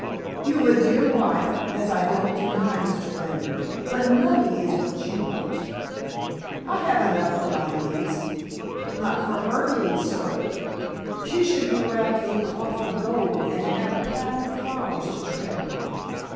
"You've a dear wife, as I don't deny, Mr. Lambert, but money is what you want." "I have enough for my needs." "Not for her needs, sir. She should be wrapped in cloth of gold and have a path of flowers to tread upon."